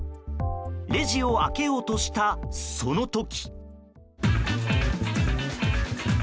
レジを開けようとしたその時。